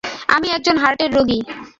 আমি একজন হার্টের রোগী।